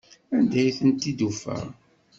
Anda ay tent-id-tufa?